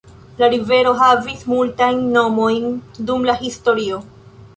La rivero havis multajn nomojn dum la historio.